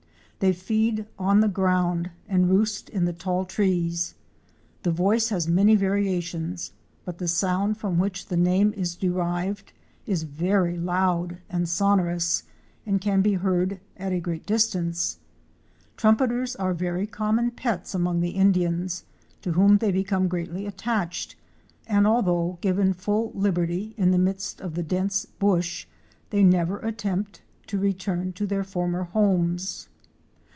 They feed on the ground and roost in the tall trees. The voice has many variations but the sound from which the name is derived is very loud and sonorous, and can be heard at a great distance. Trumpeters are very common pets among the Indians, to whom they become greatly attached, and although given full liberty in the midst of the dense bush they never attempt to return to their former homes.